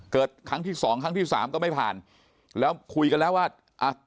เกิดครั้งที่๒ครั้งที่๓ก็ไม่ผ่านแล้วคุยกันแล้วว่า